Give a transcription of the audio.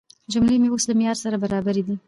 جملې مې اوس له معیار سره برابرې دي.